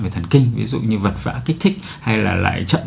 về thần kinh ví dụ như vật vã kích thích hay là lại chậm